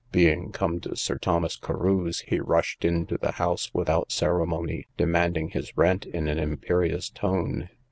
Being come to Sir Thomas Carew's, he rushed into the house without ceremony, demanding his rent in an imperious tone.